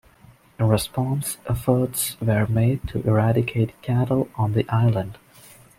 In response, efforts were made to eradicate cattle on the island.